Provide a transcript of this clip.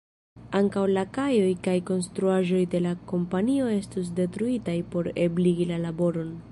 Ankaŭ la kajoj kaj konstruaĵoj de la kompanio estos detruitaj por ebligi la laboron.